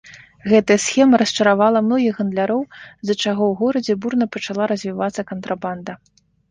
Гэтая схема расчаравала многіх гандляроў, з-за чаго ў горадзе бурна пачала развівацца кантрабанда.